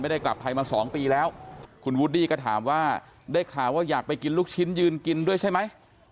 ได้กลับไทยมา๒ปีแล้วคุณวูดดี้ก็ถามว่าได้ข่าวว่าอยากไปกินลูกชิ้นยืนกินด้วยใช่ไหม